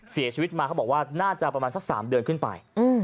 เสียชีวิตมาเขาบอกว่าน่าจะประมาณสัก๓เดือนขึ้นไป